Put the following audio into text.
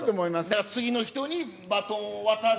だから次の人にバトンを渡す。